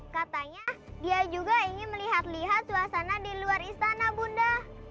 katanya dia juga ingin melihat lihat suasana di luar istana bunda